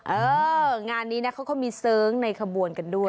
เอองานนี้นะเขาก็มีเสิร์งในขบวนกันด้วย